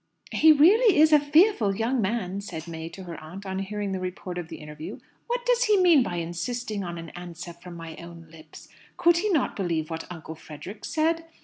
"He really is a fearful young man!" said May to her aunt on hearing the report of the interview. "What does he mean by insisting on 'an answer from my own lips'? Could he not believe what Uncle Frederick said?